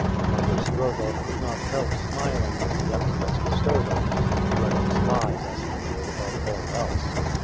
Michael Strogoff could not help smiling at the epithet bestowed on him, dreading spies as he did above all else.